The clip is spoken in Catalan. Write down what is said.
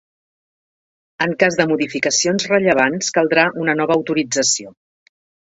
En cas de modificacions rellevants caldrà una nova autorització.